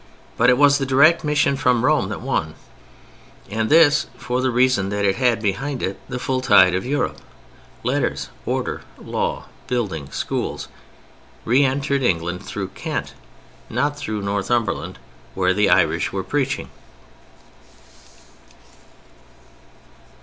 But it was the direct mission from Rome that won, and this for the reason that it had behind it the full tide of Europe. Letters, order, law, building, schools, re entered England through Kent—not through Northumberland where the Irish were preaching.